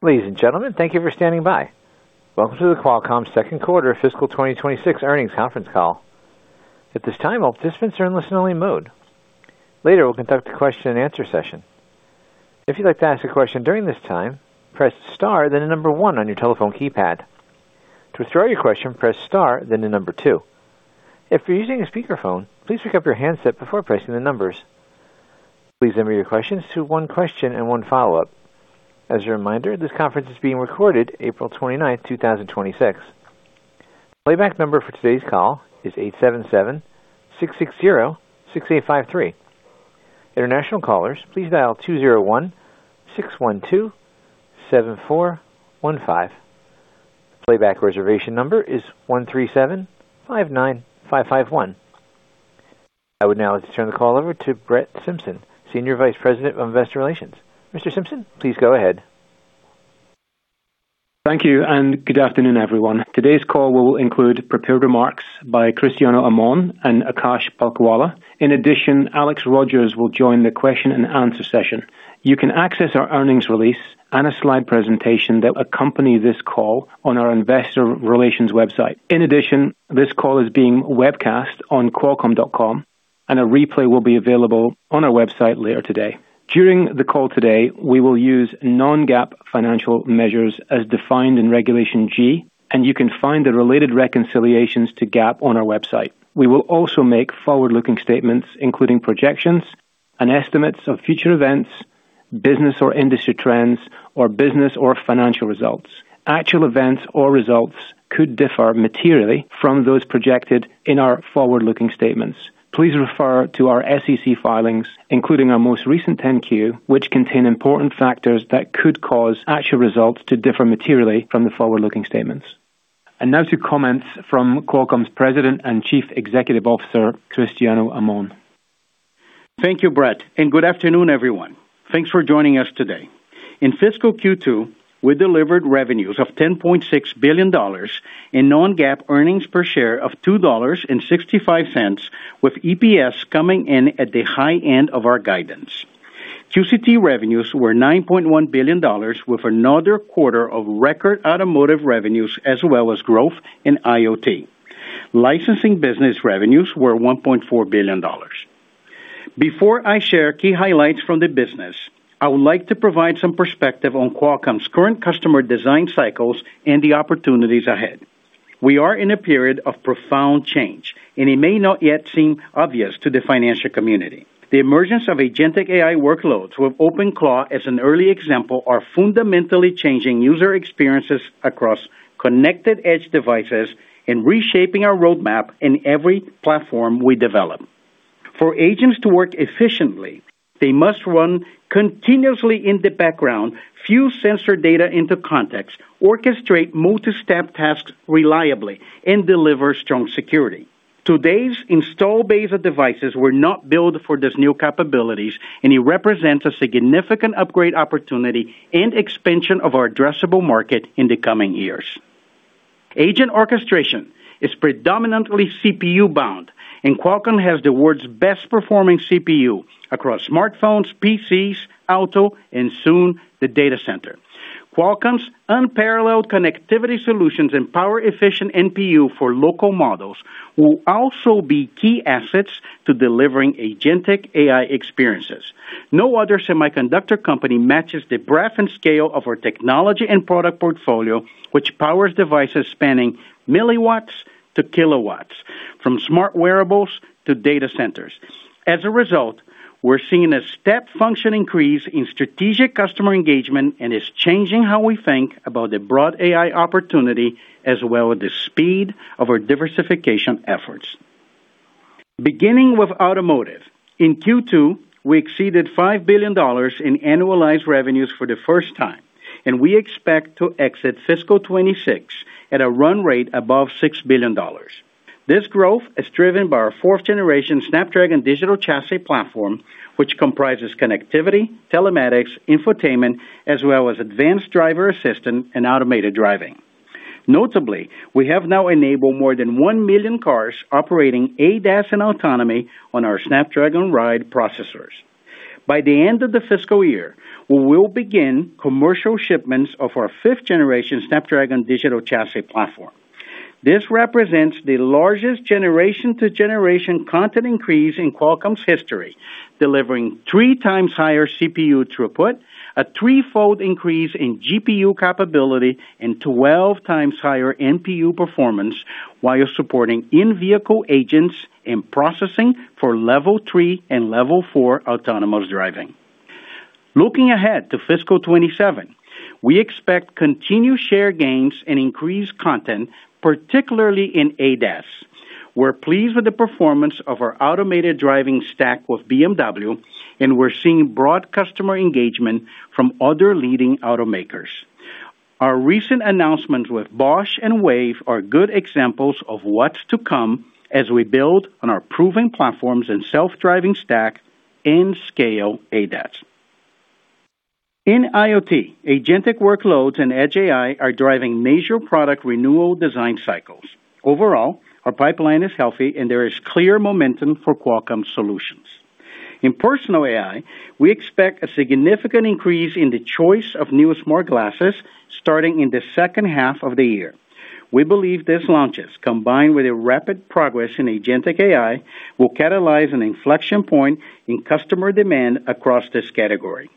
Ladies and gentlemen, thank you for standing by. Welcome to the Qualcomm second quarter fiscal 2026 earnings conference call. At this time, all participants are in listen-only mode. Later, we'll conduct a question and answer session. If you'd like to ask a question during this time, press star then number one on your telephone keypad. To withdraw your question, press star then number two. If you're using a speakerphone, please pick up your handset before pressing the numbers. Please limit your questions to one question and one follow-up. As a reminder, this conference is being recorded April 29th, 2026. Playback number for today's call is 877-660-6853. International callers, please dial 201-612-7415. Playback reservation number is 13759551. I would now like to turn the call over to Brett Simpson, Senior Vice President of Investor Relations. Mr. Simpson, please go ahead. Thank you, good afternoon, everyone. Today's call will include prepared remarks by Cristiano Amon and Akash Palkhiwala. Alex Rogers will join the question-and-answer session. You can access our earnings release and a slide presentation that accompany this call on our investor relations website. In addition, this call is being webcast on qualcomm.com, and a replay will be available on our website later today. During the call today, we will use non-GAAP financial measures as defined in Regulation G, and you can find the related reconciliations to GAAP on our website. We will also make forward-looking statements, including projections and estimates of future events, business or industry trends, or business or financial results. Actual events or results could differ materially from those projected in our forward-looking statements. Please refer to our SEC filings, including our most recent 10-Q, which contain important factors that could cause actual results to differ materially from the forward-looking statements. Now to comments from Qualcomm's President and Chief Executive Officer, Cristiano Amon. Thank you, Brett, and good afternoon, everyone. Thanks for joining us today. In fiscal Q2, we delivered revenues of $10.6 billion and non-GAAP earnings per share of $2.65, with EPS coming in at the high end of our guidance. QCT revenues were $9.1 billion, with another quarter of record automotive revenues as well as growth in IoT. Licensing business revenues were $1.4 billion. Before I share key highlights from the business, I would like to provide some perspective on Qualcomm's current customer design cycles and the opportunities ahead. We are in a period of profound change, and it may not yet seem obvious to the financial community. The emergence of agentic AI workloads with OpenClaw as an early example are fundamentally changing user experiences across connected edge devices and reshaping our roadmap in every platform we develop. For agents to work efficiently, they must run continuously in the background, fuse sensor data into context, orchestrate multi-step tasks reliably, and deliver strong security. Today's install base of devices were not built for these new capabilities, and it represents a significant upgrade opportunity and expansion of our addressable market in the coming years. Agent orchestration is predominantly CPU-bound, and Qualcomm has the world's best-performing CPU across smartphones, PCs, auto, and soon the data center. Qualcomm's unparalleled connectivity solutions and power-efficient NPU for local models will also be key assets to delivering agentic AI experiences. No other semiconductor company matches the breadth and scale of our technology and product portfolio, which powers devices spanning milliwatts to kilowatts, from smart wearables to data centers. As a result, we're seeing a step function increase in strategic customer engagement and is changing how we think about the broad AI opportunity, as well as the speed of our diversification efforts. Beginning with automotive. In Q2, we exceeded $5 billion in annualized revenues for the first time, and we expect to exit fiscal 2026 at a run rate above $6 billion. This growth is driven by our fourth generation Snapdragon Digital Chassis platform, which comprises connectivity, telematics, infotainment, as well as advanced driver assistance and automated driving. Notably, we have now enabled more than 1 million cars operating ADAS and autonomy on our Snapdragon Ride processors. By the end of the fiscal year, we will begin commercial shipments of our fifth generation Snapdragon Digital Chassis platform. This represents the largest generation-to-generation content increase in Qualcomm's history, delivering three times higher CPU throughput, a threefold increase in GPU capability, and 12 times higher NPU performance while supporting in-vehicle agents and processing for level three and level four autonomous driving. Looking ahead to fiscal 2027, we expect continued share gains and increased content, particularly in ADAS. We're pleased with the performance of our automated driving stack with BMW, and we're seeing broad customer engagement from other leading automakers. Our recent announcements with Bosch and Wayve are good examples of what's to come as we build on our proven platforms and self-driving stack and scale ADAS. In IoT, agentic workloads and edge AI are driving major product renewal design cycles. Overall, our pipeline is healthy, and there is clear momentum for Qualcomm solutions. In personal AI, we expect a significant increase in the choice of new smart glasses starting in the second half of the year. We believe these launches, combined with a rapid progress in agentic AI, will catalyze an inflection point in customer demand across this category.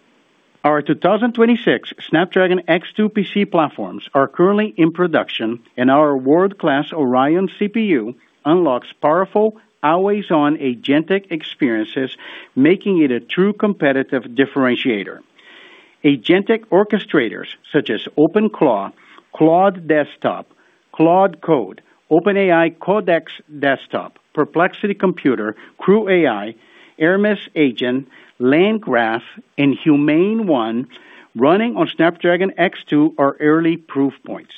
Our 2026 Snapdragon X2 PC platforms are currently in production, and our world-class Oryon CPU unlocks powerful, always-on agentic experiences, making it a true competitive differentiator. Agentic orchestrators such as OpenClaw, Claude Desktop, Claude Code, OpenAI Codex Desktop, Perplexity Computer, CrewAI, Hermes Agent, LangGraph, and HUMAIN ONE running on Snapdragon X2 are early proof points.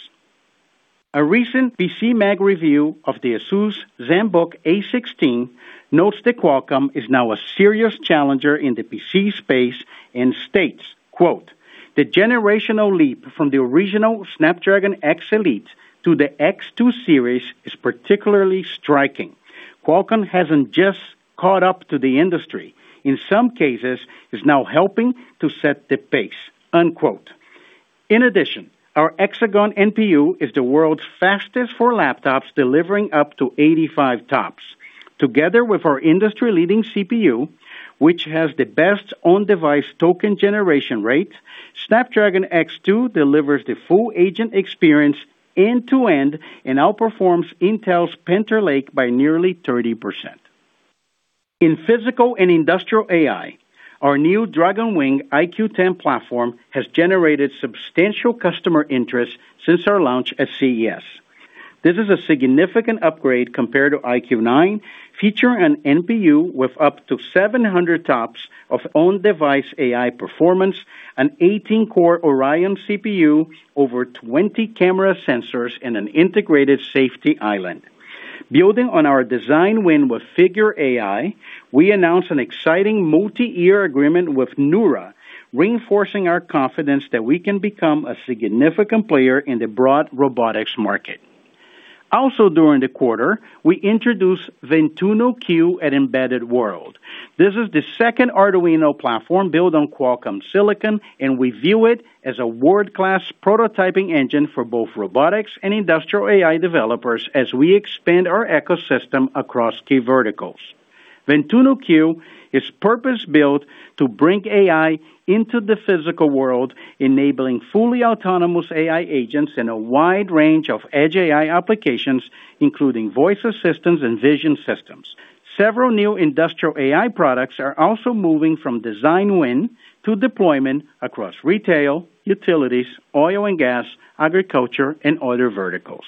A recent PCMag review of the Asus Zenbook A16 notes that Qualcomm is now a serious challenger in the PC space and states, "The generational leap from the original Snapdragon X Elite to the X2 series is particularly striking. Qualcomm hasn't just caught up to the industry. In some cases, it's now helping to set the pace." In addition, our Hexagon NPU is the world's fastest for laptops, delivering up to 85 TOPS. Together with our industry-leading CPU, which has the best on-device token generation rate, Snapdragon X2 delivers the full agent experience end-to-end and outperforms Intel's Panther Lake by nearly 30%. In physical and industrial AI, our new Dragonwing IQ10 platform has generated substantial customer interest since our launch at CES. This is a significant upgrade compared to IQ9, featuring an NPU with up to 700 TOPS of on-device AI performance, an 18-core Oryon CPU, over 20 camera sensors, and an integrated safety island. Building on our design win with Figure AI, we announced an exciting multi-year agreement with NEURA, reinforcing our confidence that we can become a significant player in the broad robotics market. Also during the quarter, we introduced Ventuno Q at Embedded World. This is the second Arduino platform built on Qualcomm Silicon and we view it as a world-class prototyping engine for both robotics and industrial AI developers as we expand our ecosystem across key verticals. Ventuno Q is purpose-built to bring AI into the physical world, enabling fully autonomous AI agents in a wide range of edge AI applications, including voice assistants and vision systems. Several new industrial AI products are also moving from design win to deployment across retail, utilities, oil and gas, agriculture, and other verticals.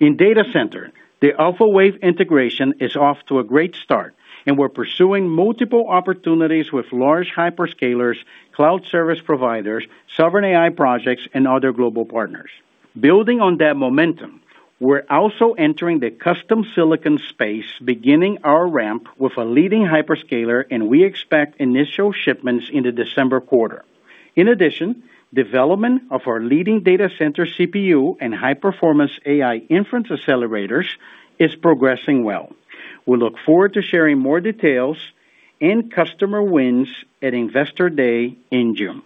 In data center, the Alphawave integration is off to a great start. We're pursuing multiple opportunities with large hyperscalers, cloud service providers, sovereign AI projects, and other global partners. Building on that momentum, we're also entering the custom silicon space, beginning our ramp with a leading hyperscaler and we expect initial shipments in the December quarter. In addition, development of our leading data center CPU and high-performance AI inference accelerators is progressing well. We look forward to sharing more details and customer wins at Investor Day in June.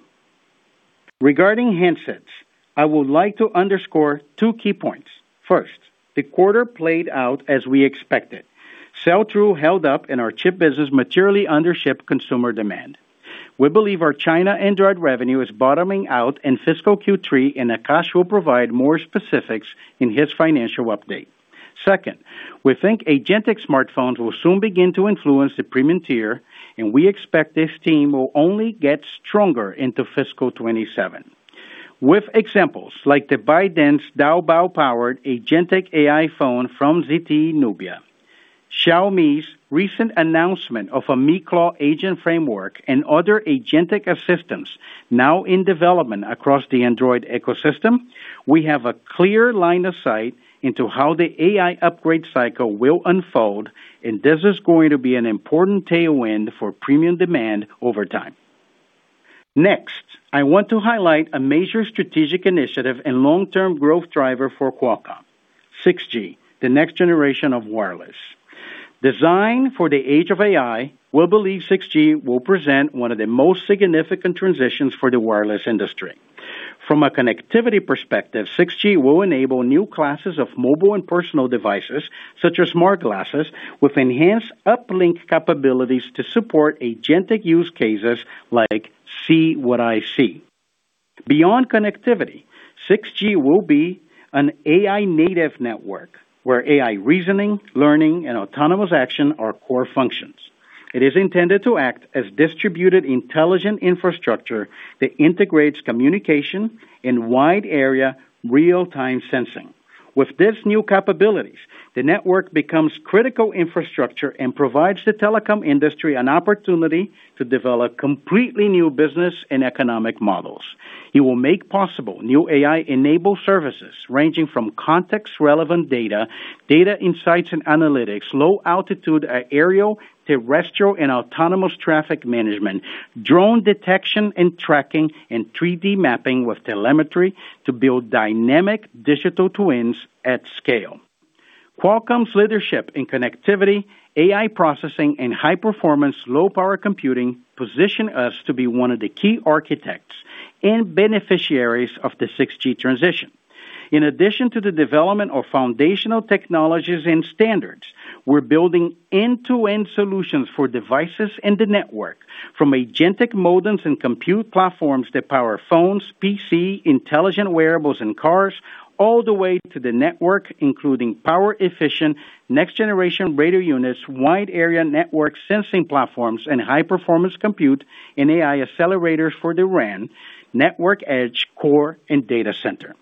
Regarding handsets, I would like to underscore two key points. First, the quarter played out as we expected. Sell-through held up. Our chip business materially undershipped consumer demand. We believe our China Android revenue is bottoming out in fiscal Q3 and Akash will provide more specifics in his financial update. Second, we think agentic smartphones will soon begin to influence the premium tier. We expect this team will only get stronger into fiscal 2027. With examples like the ByteDance Doubao-powered agentic AI phone from ZTE Nubia, Xiaomi's recent announcement of a miclaw agent framework and other agentic assistants now in development across the Android ecosystem, we have a clear line of sight into how the AI upgrade cycle will unfold, and this is going to be an important tailwind for premium demand over time. Next, I want to highlight a major strategic initiative and long-term growth driver for Qualcomm, 6G, the next generation of wireless. Designed for the age of AI, we believe 6G will present one of the most significant transitions for the wireless industry. From a connectivity perspective, 6G will enable new classes of mobile and personal devices, such as smart glasses, with enhanced uplink capabilities to support agentic use cases like See What I See. Beyond connectivity, 6G will be an AI-native network where AI reasoning, learning, and autonomous action are core functions. It is intended to act as distributed intelligent infrastructure that integrates communication and wide-area real-time sensing. With these new capabilities, the network becomes critical infrastructure and provides the telecom industry an opportunity to develop completely new business and economic models. It will make possible new AI-enabled services ranging from context-relevant data, data insights and analytics, low altitude, aerial, terrestrial, and autonomous traffic management, drone detection and tracking, and 3D mapping with telemetry to build dynamic digital twins at scale. Qualcomm's leadership in connectivity, AI processing, and high performance low power computing position us to be one of the key architects and beneficiaries of the 6G transition. In addition to the development of foundational technologies and standards, we're building end-to-end solutions for devices and the network from agentic modems and compute platforms that power phones, PC, intelligent wearables and cars, all the way to the network, including power efficient next generation radio units, wide area network sensing platforms, and high-performance compute and AI accelerators for the RAN, network edge, core, and data center.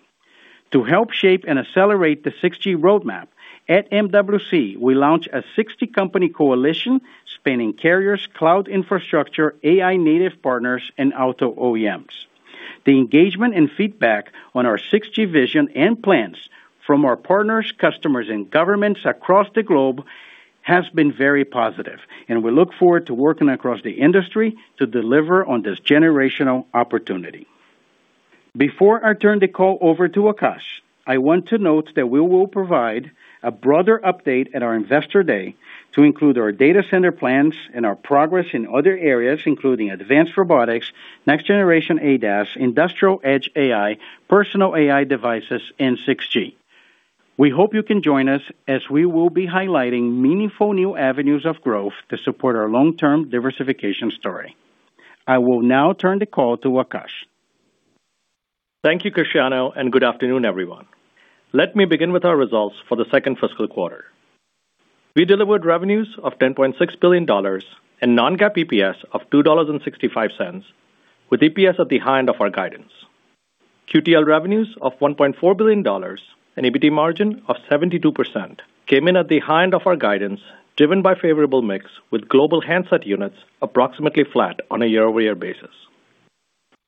To help shape and accelerate the 6G roadmap, at MWC, we launched a 60-company coalition spanning carriers, cloud infrastructure, AI-native partners, and auto OEMs. The engagement and feedback on our 6G vision and plans from our partners, customers, and governments across the globe has been very positive, and we look forward to working across the industry to deliver on this generational opportunity. Before I turn the call over to Akash, I want to note that we will provide a broader update at our Investor Day to include our data center plans and our progress in other areas, including advanced robotics, next-generation ADAS, industrial edge AI, personal AI devices, and 6G. We hope you can join us as we will be highlighting meaningful new avenues of growth to support our long-term diversification story. I will now turn the call to Akash. Thank you, Cristiano, and good afternoon, everyone. Let me begin with our results for the second fiscal quarter. We delivered revenues of $10.6 billion and non-GAAP EPS of $2.65 with EPS at the high end of our guidance. QTL revenues of $1.4 billion and EBT margin of 72% came in at the high end of our guidance, driven by favorable mix with global handset units approximately flat on a year-over-year basis.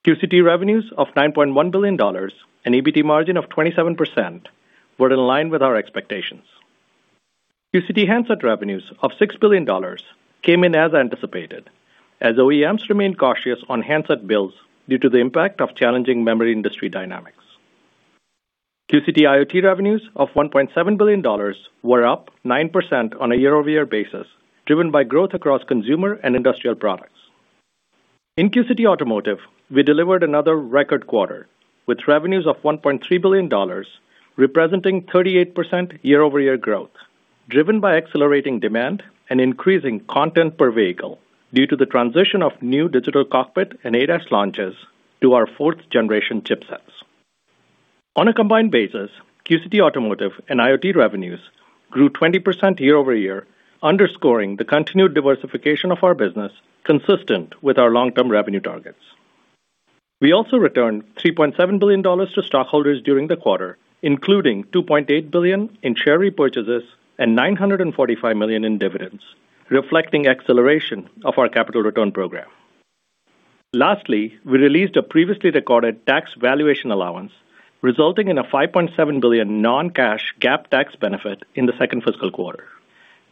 QCT revenues of $9.1 billion and EBT margin of 27% were in line with our expectations. QCT handset revenues of $6 billion came in as anticipated, as OEMs remained cautious on handset bills due to the impact of challenging memory industry dynamics. QCT IoT revenues of $1.7 billion were up 9% on a year-over-year basis, driven by growth across consumer and industrial products. In QCT Automotive, we delivered another record quarter, with revenues of $1.3 billion, representing 38% year-over-year growth, driven by accelerating demand and increasing content per vehicle due to the transition of new digital cockpit and ADAS launches to our fourth generation chipsets. On a combined basis, QCT Automotive and IoT revenues grew 20% year-over-year, underscoring the continued diversification of our business consistent with our long-term revenue targets. We also returned $3.7 billion to stockholders during the quarter, including $2.8 billion in share repurchases and $945 million in dividends, reflecting acceleration of our capital return program. Lastly, we released a previously recorded tax valuation allowance, resulting in a $5.7 billion non-cash GAAP tax benefit in the second fiscal quarter.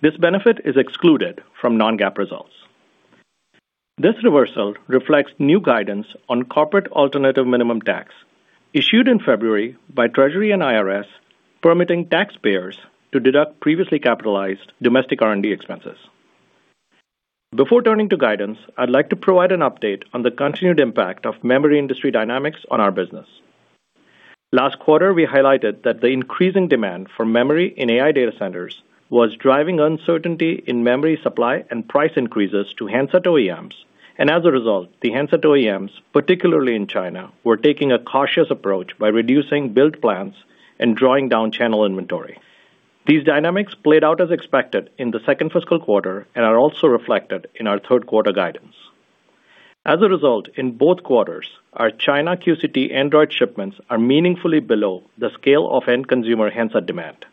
This benefit is excluded from non-GAAP results. This reversal reflects new guidance on corporate alternative minimum tax issued in February by Treasury and IRS, permitting taxpayers to deduct previously capitalized domestic R&D expenses. Before turning to guidance, I'd like to provide an update on the continued impact of memory industry dynamics on our business. Last quarter, we highlighted that the increasing demand for memory in AI data centers was driving uncertainty in memory supply and price increases to handset OEMs. As a result, the handset OEMs, particularly in China, were taking a cautious approach by reducing build plans and drawing down channel inventory. These dynamics played out as expected in the second fiscal quarter and are also reflected in our third quarter guidance. As a result, in both quarters, our China QCT Android shipments are meaningfully below the scale of end consumer handset demand.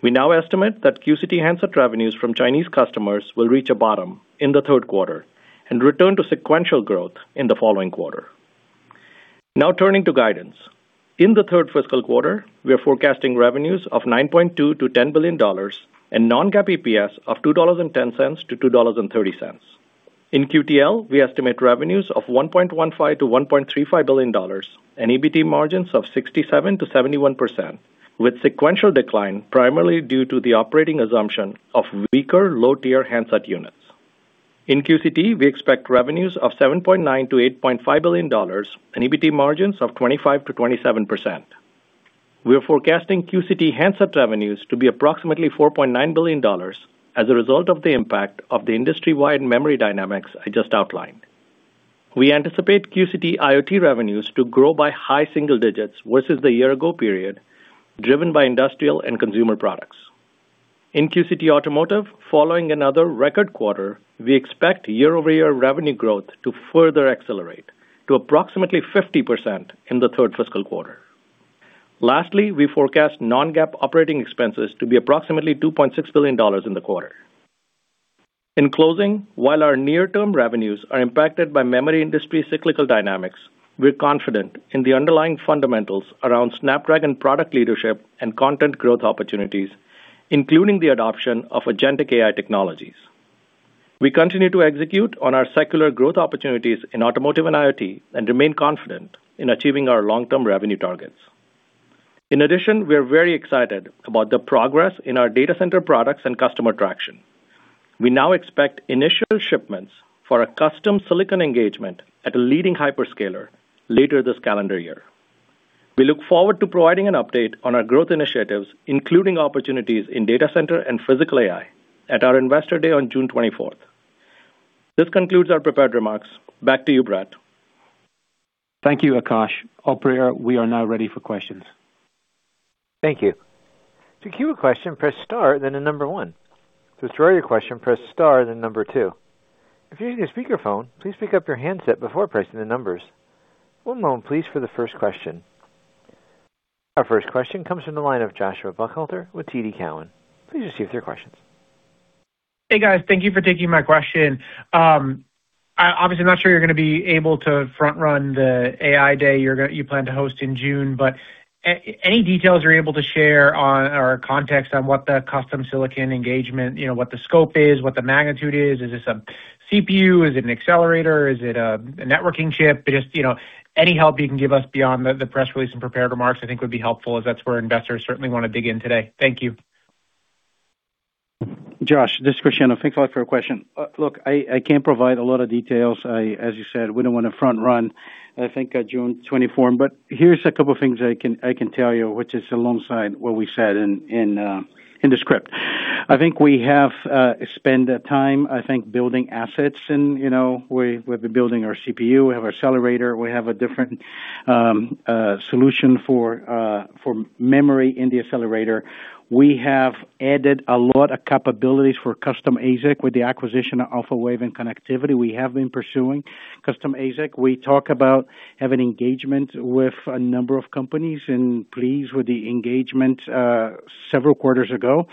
We now estimate that QCT handset revenues from Chinese customers will reach a bottom in the third quarter and return to sequential growth in the following quarter. Now turning to guidance. In the third fiscal quarter, we are forecasting revenues of $9.2 billion-$10 billion and non-GAAP EPS of $2.10-$2.30. In QTL, we estimate revenues of $1.15 billion-$1.35 billion and EBT margins of 67%-71% with sequential decline primarily due to the operating assumption of weaker low-tier handset units. In QCT, we expect revenues of $7.9 billion-$8.5 billion and EBT margins of 25%-27%. We are forecasting QCT handset revenues to be approximately $4.9 billion as a result of the impact of the industry-wide memory dynamics I just outlined. We anticipate QCT IoT revenues to grow by high single digits versus the year-ago period, driven by industrial and consumer products. In QCT Automotive, following another record quarter, we expect year-over-year revenue growth to further accelerate to approximately 50% in the third fiscal quarter. Lastly, we forecast non-GAAP operating expenses to be approximately $2.6 billion in the quarter. In closing, while our near-term revenues are impacted by memory industry cyclical dynamics, we're confident in the underlying fundamentals around Snapdragon product leadership and content growth opportunities, including the adoption of agentic AI technologies. We continue to execute on our secular growth opportunities in automotive and IoT and remain confident in achieving our long-term revenue targets. In addition, we are very excited about the progress in our data center products and customer traction. We now expect initial shipments for a custom silicon engagement at a leading hyperscaler later this calendar year. We look forward to providing an update on our growth initiatives, including opportunities in data center and physical AI at our Investor Day on June 24th. This concludes our prepared remarks. Back to you, Brett. Thank you, Akash. Operator, we are now ready for questions. Thank you. To queue a question press star then the number one. If you would like to withdraw your question press star then number two. If you're using a speaker phone, please pick up your handset before pressing the numbers. One moment please for the first question. Our first question comes from the line of Joshua Buchalter with TD Cowen. Please proceed with your questions. Hey, guys. Thank you for taking my question. I obviously am not sure you're gonna be able to front run the AI day you plan to host in June. Any details you're able to share on or context on what the custom silicon engagement, you know, what the scope is, what the magnitude is. Is this a CPU? Is it an accelerator? Is it a networking chip? Just, you know, any help you can give us beyond the press release and prepared remarks, I think would be helpful, as that's where investors certainly wanna dig in today. Thank you. Josh, this is Cristiano. Thanks a lot for your question. Look, I can't provide a lot of details. As you said, we don't wanna front run, I think, June 24th. Here's a couple things I can tell you, which is alongside what we said in the script. I think we have spent time, I think, building assets and, you know, we've been building our CPU. We have accelerator, we have a different solution for memory in the accelerator. We have added a lot of capabilities for custom ASIC with the acquisition of Alphawave and connectivity. We have been pursuing custom ASIC. We talk about have an engagement with a number of companies and pleased with the engagement several quarters ago.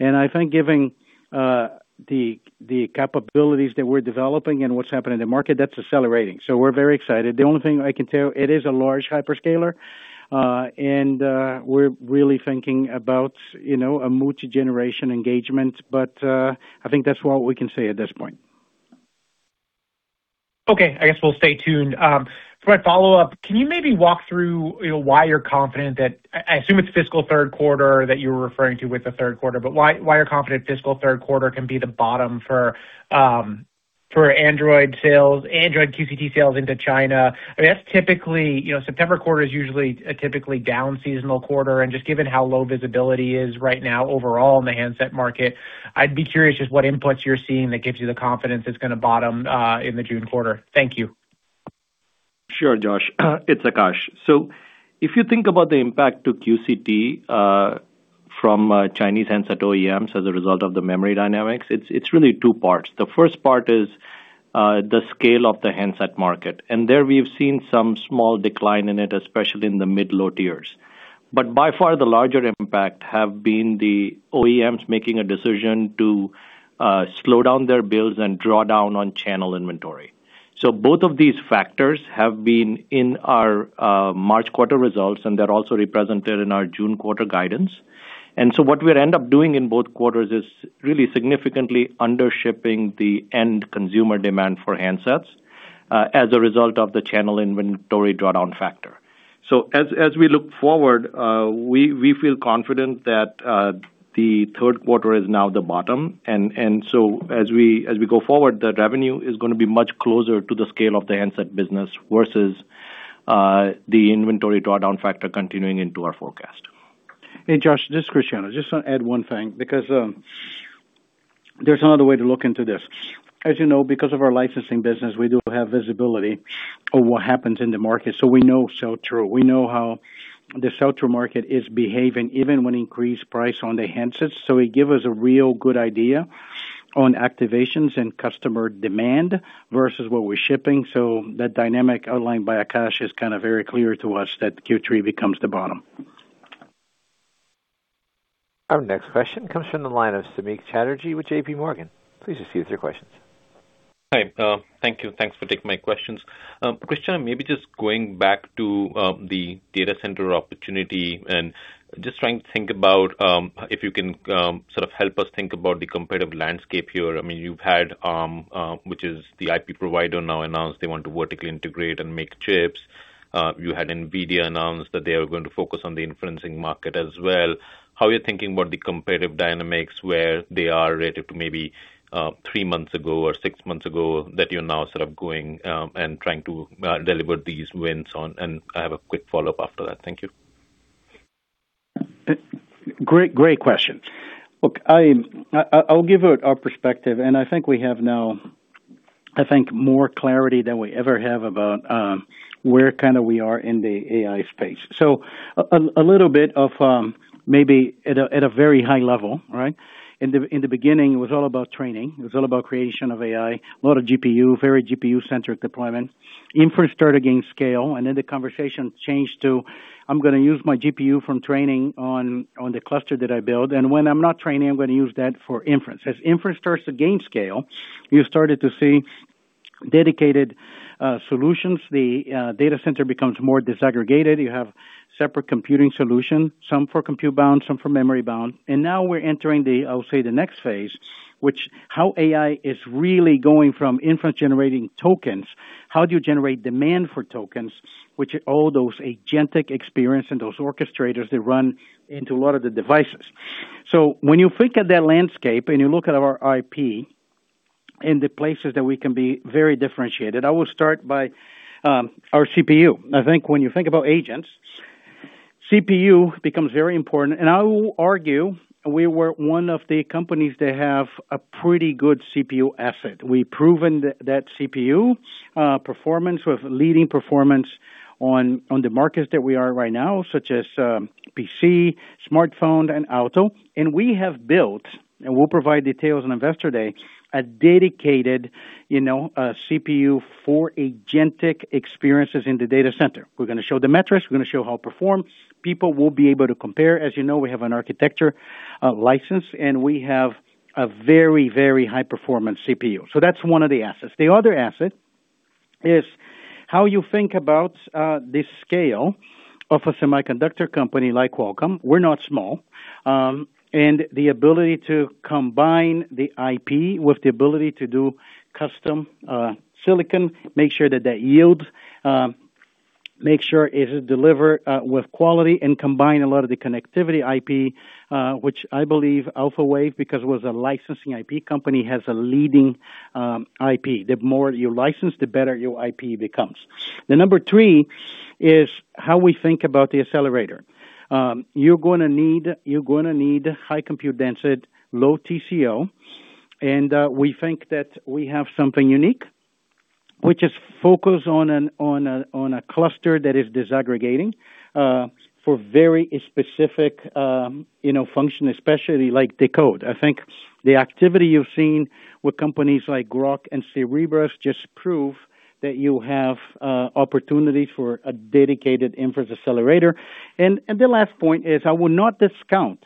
I think given the capabilities that we're developing and what's happening in the market, that's accelerating. We're very excited. The only thing I can tell, it is a large hyperscaler, and we're really thinking about, you know, a multi-generation engagement, but I think that's what we can say at this point. Okay. I guess we'll stay tuned. For my follow-up, can you maybe walk through, you know, why you're confident, I assume it's fiscal third quarter that you were referring to with the third quarter, but why you're confident fiscal third quarter can be the bottom for Android sales, Android QCT sales into China? I mean, that's typically, you know, September quarter is usually a typically down seasonal quarter, and just given how low visibility is right now overall in the handset market, I'd be curious just what inputs you're seeing that gives you the confidence it's gonna bottom in the June quarter. Thank you. Sure, Josh. It's Akash. If you think about the impact to QCT from Chinese handset OEMs as a result of the memory dynamics, it's really two parts. The first part is the scale of the handset market, there we've seen some small decline in it, especially in the mid-low tiers. By far the larger impact have been the OEMs making a decision to slow down their bills and draw down on channel inventory. Both of these factors have been in our March quarter results, they're also represented in our June quarter guidance. What we'll end up doing in both quarters is really significantly under shipping the end consumer demand for handsets as a result of the channel inventory drawdown factor. As we look forward, we feel confident that the third quarter is now the bottom. As we go forward, the revenue is gonna be much closer to the scale of the handset business versus the inventory drawdown factor continuing into our forecast. Hey, Josh, this is Cristiano. Just wanna add one thing because there's another way to look into this. As you know, because of our licensing business, we do have visibility of what happens in the market, so we know sell-through. We know how the sell-through market is behaving, even when increased price on the handsets. It give us a real good idea on activations and customer demand versus what we're shipping. That dynamic outlined by Akash is kind of very clear to us that Q3 becomes the bottom. Our next question comes from the line of Samik Chatterjee with JPMorgan. Please proceed with your questions. Hi. Thank you. Thanks for taking my questions. Cristiano, maybe just going back to the data center opportunity and just trying to think about if you can sort of help us think about the competitive landscape here. I mean, you've had Arm, which is the IP provider now announced they want to vertically integrate and make chips. You had NVIDIA announce that they are going to focus on the inferencing market as well. How are you thinking about the competitive dynamics, where they are relative to maybe three months ago or six months ago, that you're now sort of going and trying to deliver these wins on? I have a quick follow-up after that. Thank you. Great question. Look, I'll give our perspective, and I think we have now, I think, more clarity than we ever have about where kind of we are in the AI space. A little bit of maybe at a very high level, right? In the beginning, it was all about training. It was all about creation of AI, a lot of GPU, very GPU-centric deployment. Inference started gaining scale, the conversation changed to, "I'm gonna use my GPU from training on the cluster that I build, and when I'm not training, I'm gonna use that for inference." As inference starts to gain scale, you started to see dedicated solutions, the data center becomes more disaggregated. You have separate computing solution, some for compute bound, some for memory bound. Now we're entering the, I would say, the next phase, which how AI is really going from inference generating tokens. How do you generate demand for tokens, which all those agentic experience and those orchestrators that run into a lot of the devices. When you think of that landscape and you look at our IP and the places that we can be very differentiated, I will start by our CPU. I think when you think about agents, CPU becomes very important. I will argue we were one of the companies that have a pretty good CPU asset. We've proven that CPU performance with leading performance on the markets that we are right now, such as PC, smartphone, and auto. We have built, and we'll provide details on Investor Day, a dedicated, you know, a CPU for agentic experiences in the data center. We're gonna show the metrics, we're gonna show how it performs. People will be able to compare. As you know, we have an architecture license, and we have a very, very high performance CPU. That's one of the assets. The other asset is how you think about the scale of a semiconductor company like Qualcomm. We're not small. The ability to combine the IP with the ability to do custom silicon, make sure that that yields, make sure it deliver with quality, and combine a lot of the connectivity IP, which I believe Alphawave, because it was a licensing IP company, has a leading IP. The more you license, the better your IP becomes. The number three is how we think about the accelerator. You're gonna need high compute density, low TCO, and we think that we have something unique, which is focused on a cluster that is disaggregating for very specific, you know, function, especially like decode. I think the activity you've seen with companies like Groq and Cerebras just prove that you have opportunities for a dedicated inference accelerator. The last point is, I will not discount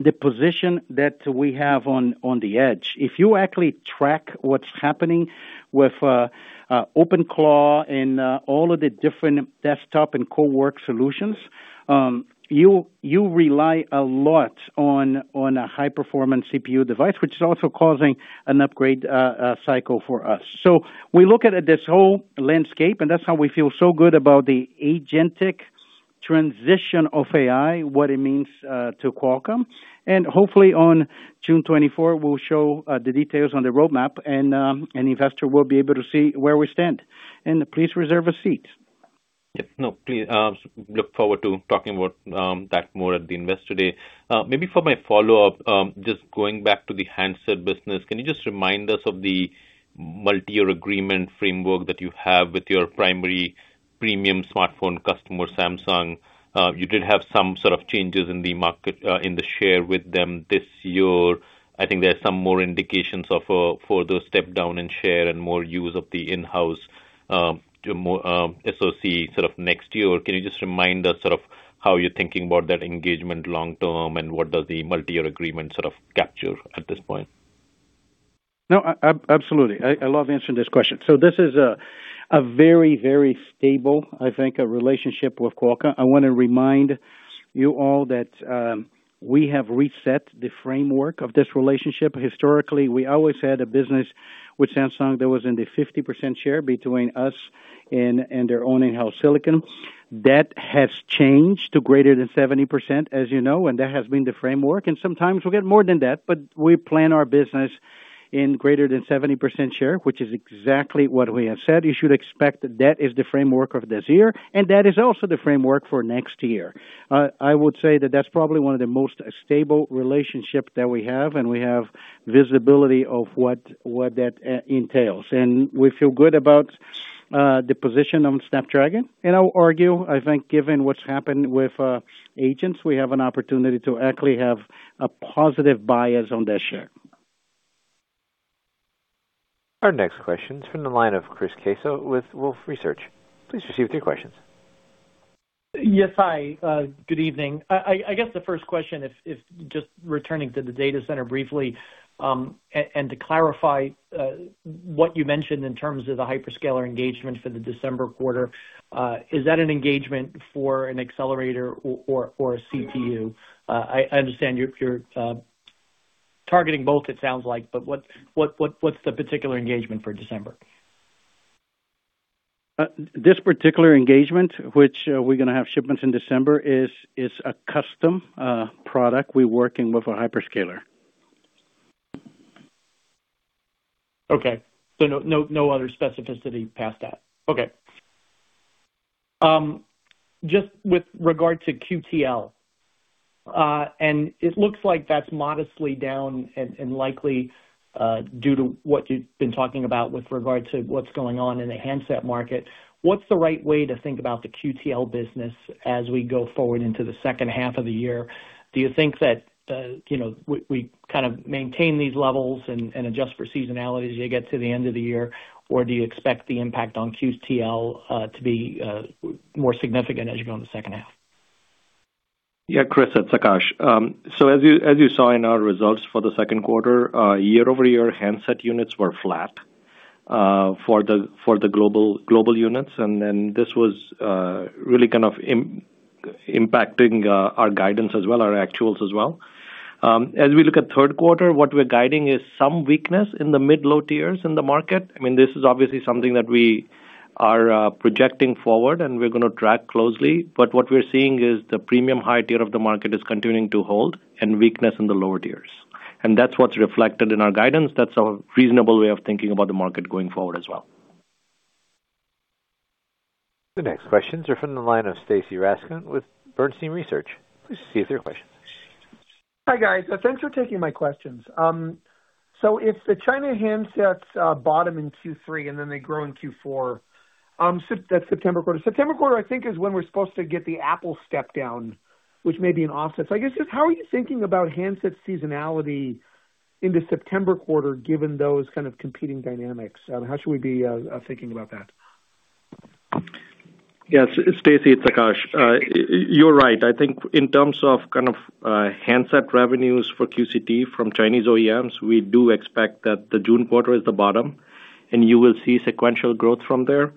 the position that we have on the edge. If you actually track what's happening with OpenClaw and all of the different desktop and co-work solutions, you rely a lot on a high-performance CPU device, which is also causing an upgrade cycle for us. We look at this whole landscape, and that's how we feel so good about the agentic transition of AI, what it means to Qualcomm. Hopefully on June 24th, we'll show the details on the roadmap and investors will be able to see where we stand and please reserve a seat. Yes. No, please. Look forward to talking about that more at the Investor Day. Maybe for my follow-up, just going back to the handset business, can you just remind us of the multi-year agreement framework that you have with your primary premium smartphone customer, Samsung? You did have some sort of changes in the market, in the share with them this year. I think there are some more indications of a further step down in share and more use of the in-house, more SoC sort of next year. Can you just remind us sort of how you're thinking about that engagement long term, and what does the multi-year agreement sort of capture at this point? No, absolutely. I love answering this question. This is a very, very stable, I think, a relationship with Qualcomm. I wanna remind you all that we have reset the framework of this relationship. Historically, we always had a business with Samsung that was in the 50% share between us and their own in-house silicon. That has changed to greater than 70%, as you know, and that has been the framework, and sometimes we'll get more than that, but we plan our business in greater than 70% share, which is exactly what we have said. You should expect that is the framework of this year, and that is also the framework for next year. I would say that that's probably one of the most stable relationship that we have, and we have visibility of what that entails. We feel good about the position on Snapdragon. I would argue, I think given what's happened with agents, we have an opportunity to actually have a positive bias on that share. Our next question is from the line of Chris Caso with Wolfe Research. Please proceed with your questions. Yes. Hi, good evening. I guess the first question is just returning to the data center briefly, and to clarify what you mentioned in terms of the hyperscaler engagement for the December quarter, is that an engagement for an accelerator or a CPU? I understand you're targeting both, it sounds like, but what's the particular engagement for December? This particular engagement, which, we're gonna have shipments in December, is a custom product we're working with a hyperscaler. Okay. No other specificity past that. Okay. Just with regard to QTL, and it looks like that's modestly down and likely due to what you've been talking about with regard to what's going on in the handset market. What's the right way to think about the QTL business as we go forward into the second half of the year? Do you think that, you know, we kind of maintain these levels and adjust for seasonality as you get to the end of the year? Or do you expect the impact on QTL to be more significant as you go in the second half? Yeah, Chris, it's Akash. As you, as you saw in our results for the second quarter, year-over-year handset units were flat for the global units. This was really kind of impacting our guidance as well, our actuals as well. As we look at third quarter, what we're guiding is some weakness in the mid, low tiers in the market. I mean, this is obviously something that we are projecting forward and we're going to track closely. What we're seeing is the premium high tier of the market is continuing to hold and weakness in the lower tiers. That's what's reflected in our guidance. That's a reasonable way of thinking about the market going forward as well. The next questions are from the line of Stacy Rasgon with Bernstein Research. Please, Stacy, with your question. Hi, guys. Thanks for taking my questions. If the China handsets bottom in Q3 and then they grow in Q4, that September quarter. September quarter I think is when we're supposed to get the Apple step down, which may be an offset. I guess just how are you thinking about handset seasonality in the September quarter, given those kind of competing dynamics? How should we be thinking about that? Yes. Stacy, it's Akash. You're right. I think in terms of kind of handset revenues for QCT from Chinese OEMs, we do expect that the June quarter is the bottom and you will see sequential growth from there.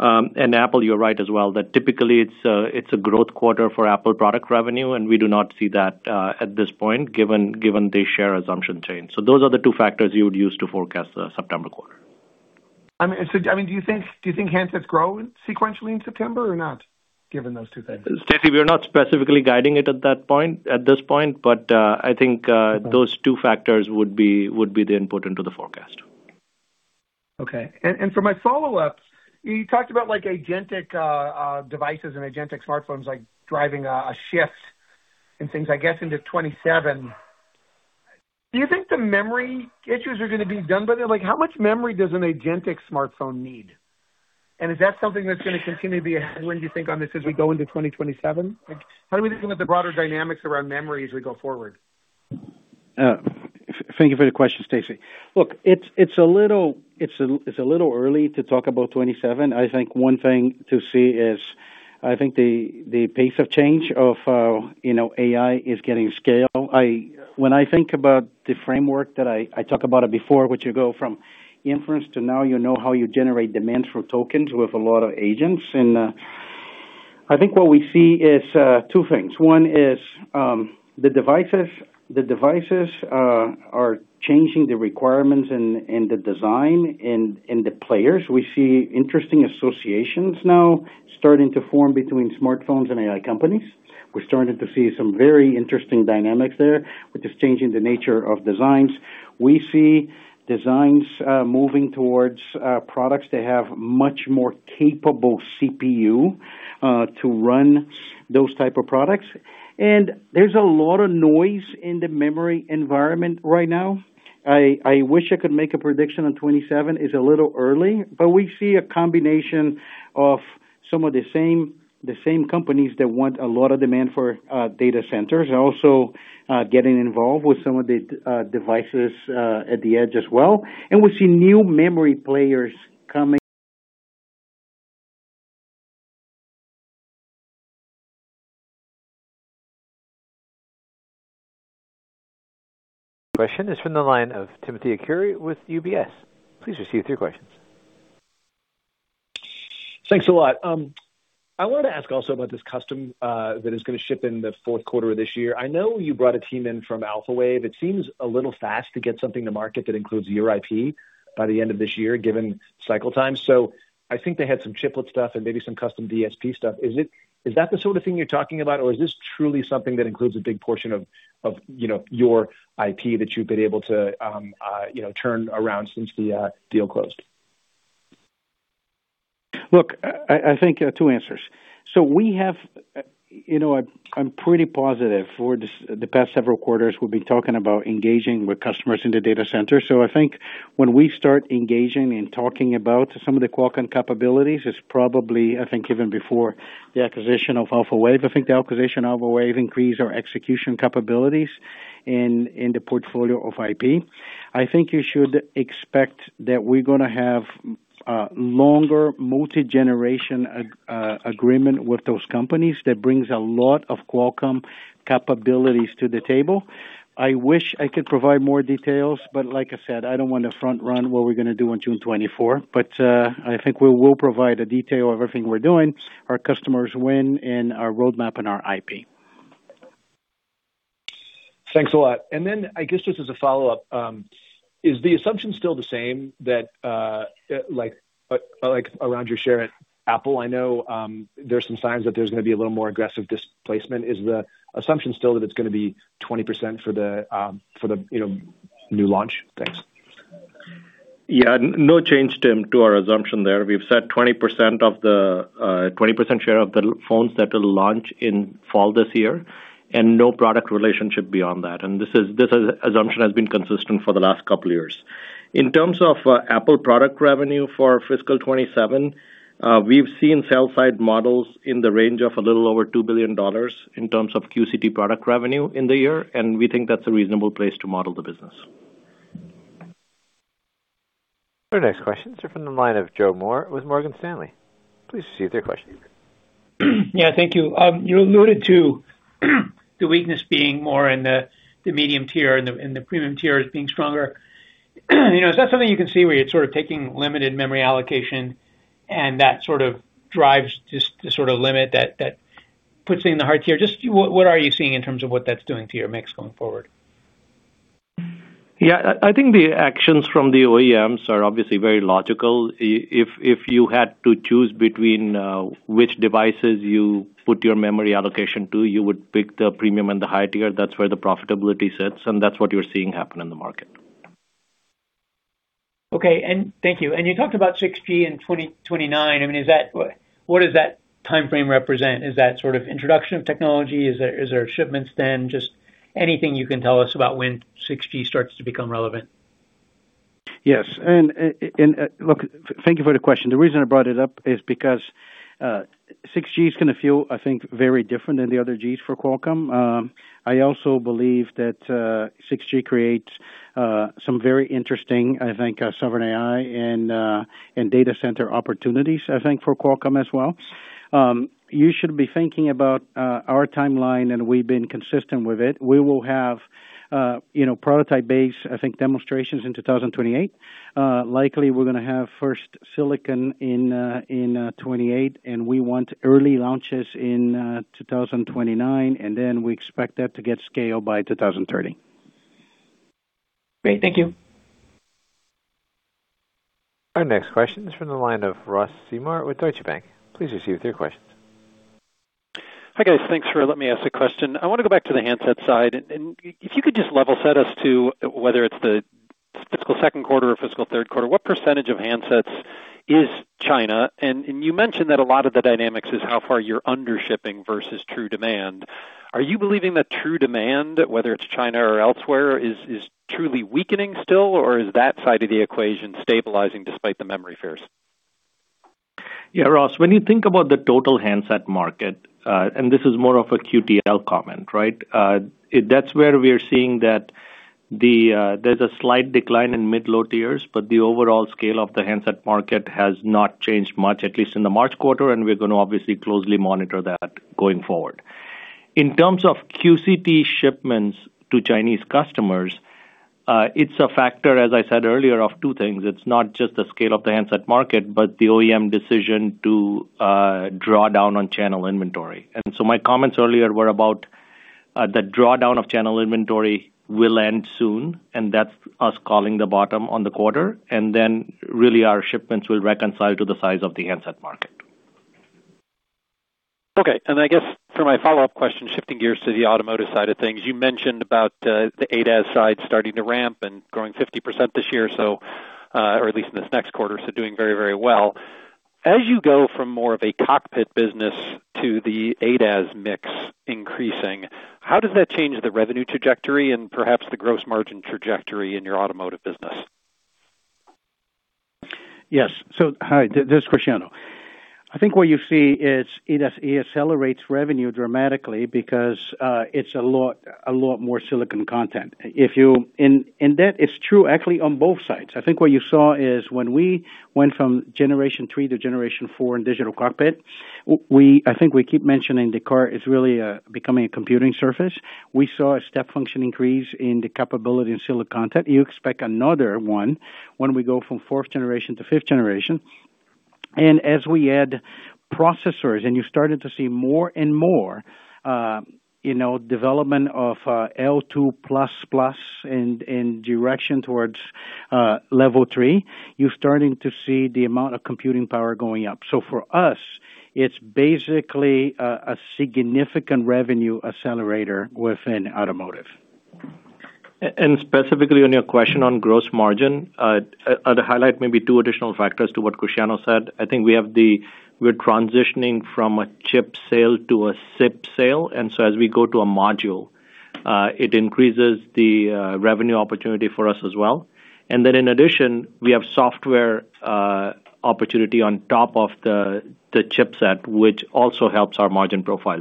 Apple, you're right as well that typically it's a, it's a growth quarter for Apple product revenue, and we do not see that at this point, given the share assumption change. Those are the two factors you would use to forecast the September quarter. I mean, I mean, do you think handsets grow sequentially in September or not, given those two things? Stacy, we're not specifically guiding it at this point, but I think those two factors would be the input into the forecast. Okay, and for my follow-up, you talked about like agentic devices and agentic smartphones, like driving a shift in things, I guess, into 2027. Do you think the memory issues are gonna be done by then? Like, how much memory does an agentic smartphone need? And is that something that's gonna continue to be a headwind, you think, on this as we go into 2027? Like, how are we looking at the broader dynamics around memory as we go forward? Thank you for the question, Stacy. Look, it's a little early to talk about 2027. I think one thing to see is the pace of change of, you know, AI is getting scale. When I think about the framework that I talk about it before, which you go from inference to now you know how you generate demand for tokens with a lot of agents. I think what we see is two things. One is the devices are changing the requirements and the design and the players. We see interesting associations now starting to form between smartphones and AI companies. We're starting to see some very interesting dynamics there, which is changing the nature of designs. We see designs moving towards products that have much more capable CPU to run those type of products. There's a lot of noise in the memory environment right now. I wish I could make a prediction on 27. It's a little early, but we see a combination of some of the same companies that want a lot of demand for data centers also getting involved with some of the devices at the edge as well. We see new memory players coming. Question is from the line of Timothy Arcuri with UBS. Please proceed with your questions. Thanks a lot. I wanted to ask also about this custom that is gonna ship in the fourth quarter of this year. I know you brought a team in from Alphawave. It seems a little fast to get something to market that includes your IP by the end of this year, given cycle time. I think they had some chiplet stuff and maybe some custom DSP stuff. Is that the sort of thing you're talking about, or is this truly something that includes a big portion of, you know, your IP that you've been able to turn around since the deal closed? Look, I think two answers. We have, you know, I'm pretty positive for this, the past several quarters we've been talking about engaging with customers in the data center. I think when we start engaging and talking about some of the Qualcomm capabilities, it's probably, I think, even before the acquisition of Alphawave. I think the acquisition of Alphawave increased our execution capabilities in the portfolio of IP. I think you should expect that we're gonna have longer multi-generation agreement with those companies. That brings a lot of Qualcomm capabilities to the table. I wish I could provide more details, but like I said, I don't wanna front run what we're gonna do on June 24, but I think we will provide a detail of everything we're doing, our customers win and our roadmap and our IP. Thanks a lot, and then, I guess just as a follow-up, is the assumption still the same that around your share at Apple? I know, there's some signs that there's going to be a little more aggressive displacement. Is the assumption still that it's going to be 20% for the, you know, new launch? Thanks. Yeah. No change, Tim, to our assumption there. We've said 20% of the 20% share of the phones that will launch in fall this year and no product relationship beyond that. This assumption has been consistent for the last couple of years. In terms of Apple product revenue for fiscal 2027, we've seen sell side models in the range of a little over $2 billion in terms of QCT product revenue in the year, and we think that's a reasonable place to model the business. Our next questions are from the line of Joe Moore with Morgan Stanley. Please proceed with your question. Yeah, thank you. You alluded to the weakness being more in the medium tier and the premium tiers being stronger. You know, is that something you can see where you're sort of taking limited memory allocation and that sort of drives just the sort of limit that puts it in the high tier? Just what are you seeing in terms of what that's doing to your mix going forward? Yeah. I think the actions from the OEMs are obviously very logical. If you had to choose between which devices you put your memory allocation to, you would pick the premium and the high tier. That's where the profitability sits and that's what you're seeing happen in the market. Okay. Thank you. You talked about 6G in 2029. I mean, is that? What does that timeframe represent? Is that sort of introduction technology? Is there shipments then? Just anything you can tell us about when 6G starts to become relevant. Yes. Thank you for the question. The reason I brought it up is because 6G is going to feel, I think, very different than the other Gs for Qualcomm. I also believe that 6G creates some very interesting, I think, sovereign AI and data center opportunities, I think, for Qualcomm as well. You should be thinking about our timeline, and we've been consistent with it. We will have, you know, prototype-based, I think, demonstrations in 2028. Likely we're going to have first silicon in 2028, and we want early launches in 2029, and then we expect that to get scale by 2030. Great. Thank you. Our next question is from the line of Ross Seymore with Deutsche Bank. Please proceed with your questions. Hi, guys. Thanks for letting me ask a question. I wanna go back to the handset side. If you could just level set us to whether it's the fiscal second quarter or fiscal third quarter, what percentage of handsets is China? You mentioned that a lot of the dynamics is how far you're under shipping versus true demand. Are you believing that true demand, whether it's China or elsewhere, is truly weakening still, or is that side of the equation stabilizing despite the memory fears? Yeah, Ross, when you think about the total handset market, this is more of a QTL comment, right? That's where we are seeing that there's a slight decline in mid-low tiers, the overall scale of the handset market has not changed much, at least in the March quarter, we're gonna obviously closely monitor that going forward. In terms of QCT shipments to Chinese customers, it's a factor, as I said earlier, of two things. It's not just the scale of the handset market, but the OEM decision to draw down on channel inventory. My comments earlier were about the drawdown of channel inventory will end soon, and that's us calling the bottom on the quarter, and then really our shipments will reconcile to the size of the handset market. Okay. I guess for my follow-up question, shifting gears to the automotive side of things, you mentioned about the ADAS side starting to ramp and growing 50% this year, or at least in this next quarter, so doing very, very well. As you go from more of a cockpit business to the ADAS mix increasing, how does that change the revenue trajectory and perhaps the gross margin trajectory in your automotive business? Yes, hi, this is Cristiano. I think what you see is it as it accelerates revenue dramatically because it's a lot more silicon content. That is true actually on both sides. I think what you saw is when we went from generation three to generation four in digital cockpit, we, I think we keep mentioning the car is really becoming a computing surface. We saw a step function increase in the capability and silicon content. You expect another one when we go from fourth generation to fifth generation. As we add processors and you're starting to see more and more, you know, development of L2++ in direction towards level three, you're starting to see the amount of computing power going up. For us, it's basically a significant revenue accelerator within automotive. Specifically on your question on gross margin, I'd highlight maybe two additional factors to what Cristiano said. I think we're transitioning from a chip sale to a SiP sale. As we go to a module, it increases the revenue opportunity for us as well. In addition, we have software opportunity on top of the chipset, which also helps our margin profile.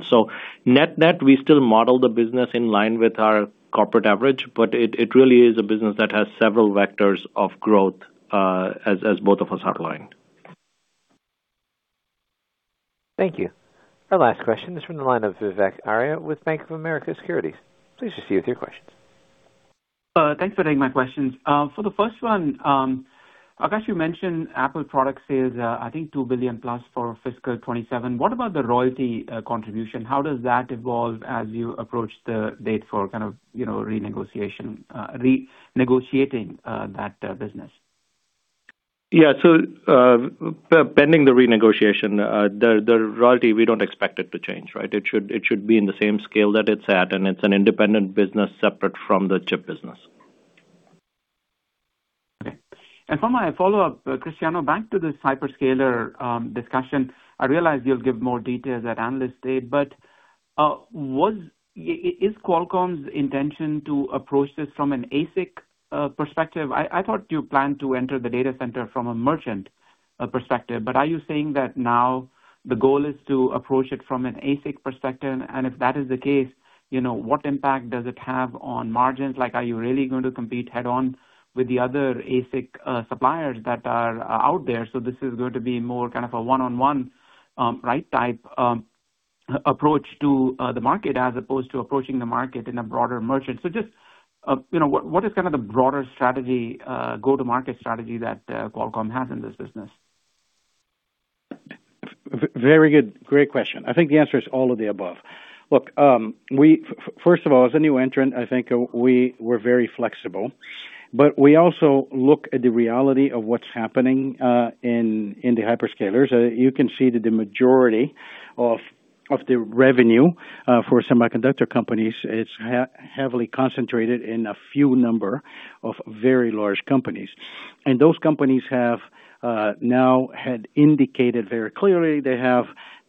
Net, net, we still model the business in line with our corporate average, but it really is a business that has several vectors of growth as both of us outlined. Thank you. Our last question is from the line of Vivek Arya with Bank of America Securities. Please proceed with your questions. Thanks for taking my questions. For the first one, Akash, you mentioned Apple product sales, I think $2 billion+ for fiscal 2027. What about the royalty contribution? How does that evolve as you approach the date for kind of, you know, renegotiation, re-negotiating, that business? Yeah. Pending the renegotiation, the royalty, we don't expect it to change, right? It should be in the same scale that it's at, and it's an independent business separate from the chip business. Okay. For my follow-up, Cristiano, back to this hyperscaler discussion. I realize you'll give more details at Analyst Day, but is Qualcomm's intention to approach this from an ASIC perspective? I thought you planned to enter the data center from a merchant perspective. Are you saying that now the goal is to approach it from an ASIC perspective? If that is the case, you know, what impact does it have on margins? Like, are you really going to compete head-on with the other ASIC suppliers that are out there? This is going to be more kind of a one-on-one, right, type approach to the market as opposed to approaching the market in a broader merchant. Just, you know, what is kind of the broader strategy, go-to-market strategy that Qualcomm has in this business? Very good, great question. I think the answer is all of the above. Look, first of all, as a new entrant, I think we're very flexible, but we also look at the reality of what's happening in the hyperscalers. You can see that the majority of the revenue for semiconductor companies is heavily concentrated in a few number of very large companies. Those companies have now had indicated very clearly they have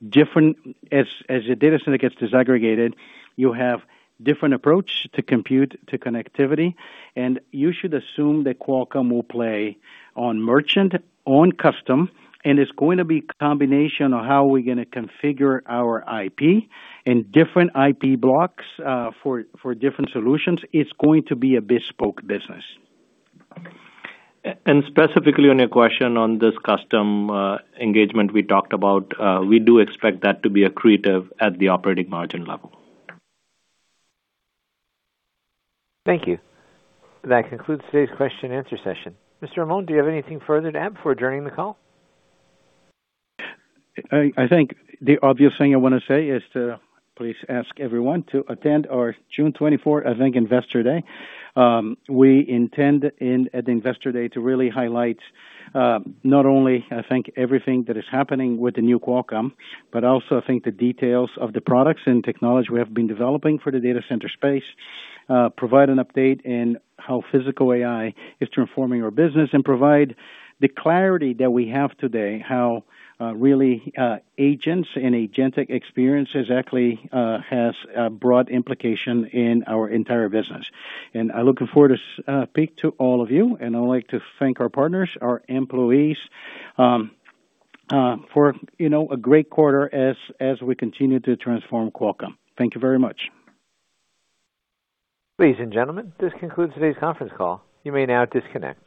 different. As a data center gets disaggregated, you have different approach to compute, to connectivity, and you should assume that Qualcomm will play on merchant, on custom, and it's going to be combination of how we're gonna configure our IP in different IP blocks for different solutions. It's going to be a bespoke business. Specifically on your question on this custom engagement we talked about, we do expect that to be accretive at the operating margin level. Thank you. That concludes today's question and answer session. Mr. Amon, do you have anything further to add before adjourning the call? I think the obvious thing I wanna say is to please ask everyone to attend our June 24 event, Investor Day. We intend at Investor Day to really highlight, not only I think everything that is happening with the new Qualcomm, but also I think the details of the products and technology we have been developing for the data center space, provide an update in how physical AI is transforming our business and provide the clarity that we have today, how really agents and agentic experiences actually has a broad implication in our entire business. I look forward to speak to all of you, and I would like to thank our partners, our employees, for, you know, a great quarter as we continue to transform Qualcomm. Thank you very much. Ladies and gentlemen, this concludes today's conference call. You may now disconnect.